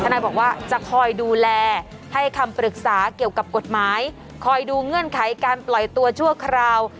นายบอกว่าจะคอยดูแลให้คำปรึกษาเกี่ยวกับกฎหมายคอยดูเงื่อนไขการปล่อยตัวชั่วคราว